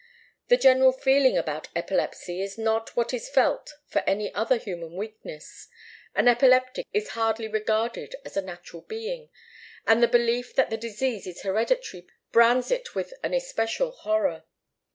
The general feeling about epilepsy is not like what is felt for any other human weakness. An epileptic is hardly regarded as a natural being, and the belief that the disease is hereditary brands it with an especial horror.